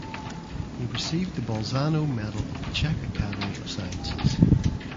He received the Bolzano Medal of the Czech Academy of Sciences.